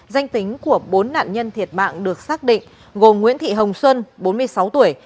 danh tính của bốn nạn nhân thiệt mạng được xác định gồm nguyễn thị hồng xuân bốn mươi sáu tuổi